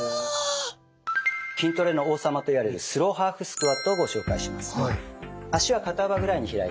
筋トレの王様といわれるスローハーフスクワットをご紹介します。